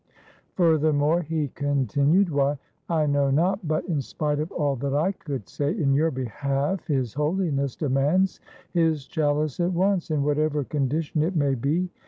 "Furthermore," he continued, "why, I know not, but in spite of all that I could say in your behalf. His Holi ness demands his chaUce at once, in whatever condition it may be.